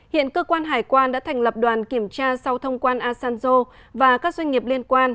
hiện cơ quan hải quan đã thành lập đoàn kiểm tra sau thông quan asanzo và các doanh nghiệp liên quan